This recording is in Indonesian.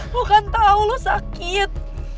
lu kan tau lu sakit